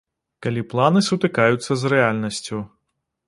Калі планы сутыкаюцца з рэальнасцю.